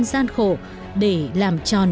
trong gian khổ để làm tròn